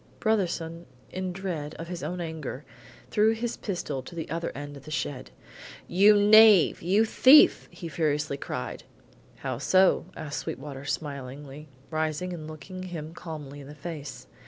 Brotherson, in dread of his own anger, threw his pistol to the other end of the shed: "You knave! You thief!" he furiously cried. "How so?" asked Sweetwater smilingly, rising and looking him calmly in the face.